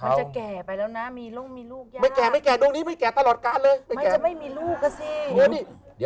อุ้ยนี่หมอสูหรืออะไรเนี่ย